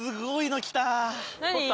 何？